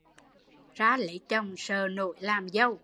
Ra lấy chồng sợ nỗi làm dâu